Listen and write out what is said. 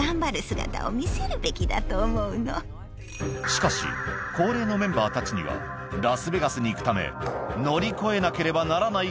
・しかし高齢のメンバーたちにはラスベガスに行くため乗り越えなければならない